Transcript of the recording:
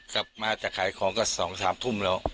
กลับมาจากขายของก็สองสามทุ่มแล้ว